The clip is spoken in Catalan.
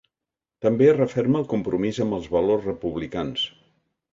També es referma el compromís amb els valors republicans.